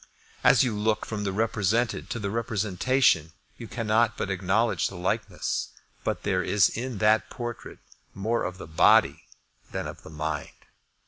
As you look from the represented to the representation you cannot but acknowledge the likeness; but there is in that portrait more of the body than of the mind.